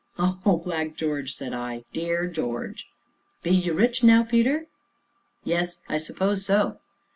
"Oh, Black George!" said I, "dear George." "Be you rich now, Peter?" "Yes, I suppose so."